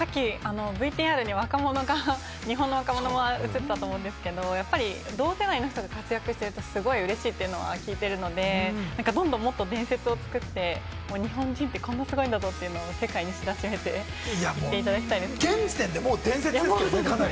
さっきＶＴＲに若者が日本の若者が映ったと思うんですが、同世代の人が活躍してると、すごいうれしいというのは聞いているので、どんどんもっと伝説を作って、日本人ってこんなにすごいんだぞというのを世界に知らしめていただきたいで現時点でかなり伝説ですよね。